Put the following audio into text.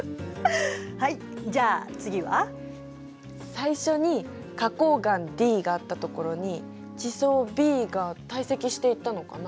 最初に花こう岩Ｄがあったところに地層Ｂが堆積していったのかな？